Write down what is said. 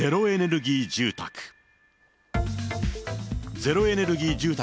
ゼロエネルギー住宅。